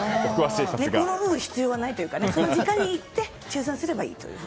寝転ぶ必要はないというかその時間に行って抽選すればいいという。